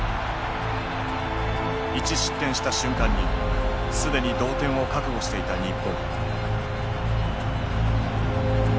１失点した瞬間に既に同点を覚悟していた日本。